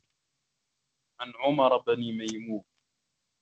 عَنْ عُمَرَ بْنِ مَيْمُونٍ